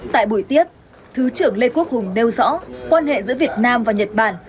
tại buổi tiếp thứ trưởng lê quốc hùng nêu rõ quan hệ giữa việt nam và nhật bản